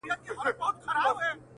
ويني ته مه څښه اوبه وڅښه.